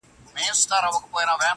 ځمه و لو صحراته,